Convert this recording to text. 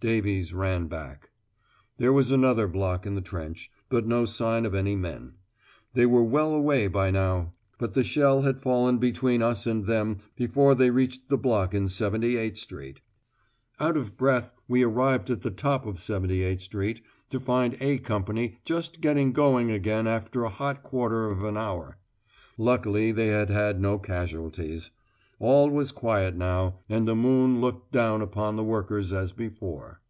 Davies ran back. There was another block in the trench, but no sign of any men. They were well away by now! But the shell had fallen between us and them before they reached the block in 78 Street! Out of breath we arrived at the top of 78 Street, to find "A" Company just getting going again after a hot quarter of an hour. Luckily they had had no casualties. All was quiet now, and the moon looked down upon the workers as before.